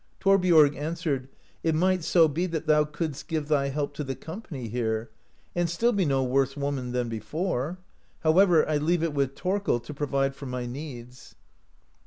Thorbiorg answered : "It might so be that thou couldst give thy help to the company here, and still be no worse woman than before ; however I leave it with Thorkel to provide for my needs."